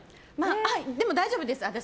でも私、大丈夫です。